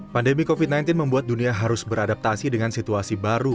pandemi covid sembilan belas membuat dunia harus beradaptasi dengan situasi baru